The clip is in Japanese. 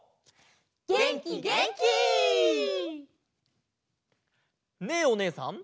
げんきげんき！ねえおねえさん